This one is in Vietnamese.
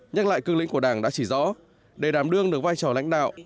nhắc lại cương lĩnh của đảng đã chỉ rõ để đảm đương được vai trò lãnh đạo